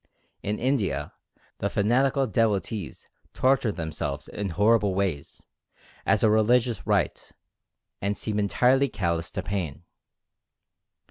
In India the fanatical devotees torture them selves in horrible ways, as a religious rite, and seem entirely callous to pain.